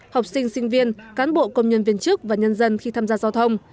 học sinh sinh viên cán bộ công nhân viên chức và nhân dân khi tham gia giao thông